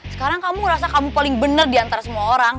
sekarang kamu ngerasa kamu paling benar diantara semua orang